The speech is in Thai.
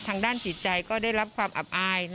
ทางด้านจิตใจก็ได้รับความอับอาย